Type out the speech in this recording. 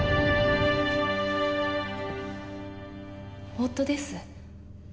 夫です。